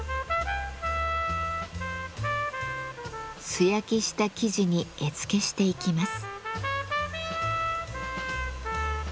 素焼きした素地に絵付けしていきます。